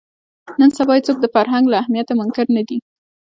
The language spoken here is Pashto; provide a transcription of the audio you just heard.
نن سبا هېڅوک د فرهنګ له اهمیته منکر نه دي